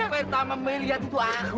yang pertama melihat itu aku